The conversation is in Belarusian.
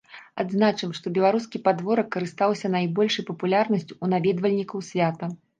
Адзначым, што беларускі падворак карыстаўся найбольшай папулярнасцю ў наведвальнікаў свята.